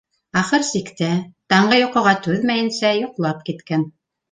Ахыр сиктә, таңғы йоҡоға түҙмәйенсә, йоҡлап киткән.